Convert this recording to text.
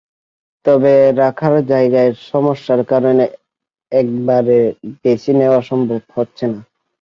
তবে রাখার জায়গার সমস্যার কারণে একবারে বেশি নেওয়া সম্ভব হচ্ছে না।